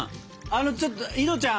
あのちょっと井戸ちゃん